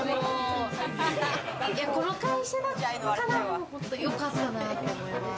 この会社だから、よかったなって思います。